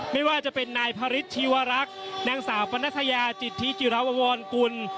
ไม่ว่าจะเป็นนายพระฤทธิวรักษ์นางสาวปนัทยาจิตธิจิราวรกุล